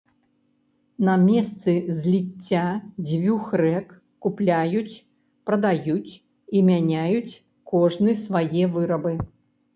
На месцы зліцця дзвюх рэк купляюць, прадаюць і мяняюць кожны свае вырабы.